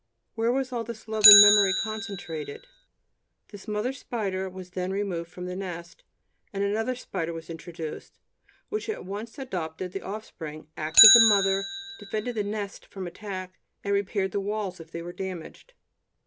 Where was all this love and memory concentrated? This mother spider was then removed from the nest, and another spider was introduced, which at once adopted the offspring, acted the mother, defended the nest from attack, and repaired the walls if they were damaged.